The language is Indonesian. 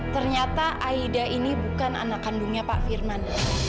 ternyata aida ini bukan anak kandungnya pak firman